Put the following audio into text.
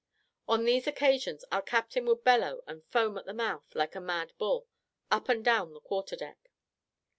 On these occasions our captain would bellow and foam at the mouth like a mad bull, up and down the quarter deck.